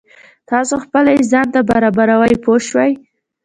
تاسو خپله یې ځان ته برابروئ پوه شوې!.